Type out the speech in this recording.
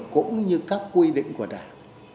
cũng như các quy định của đảng